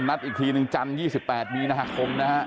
นัดอีกทีหนึ่งจันทร์๒๘มีนาคมนะฮะ